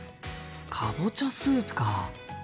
かぼちゃスープか。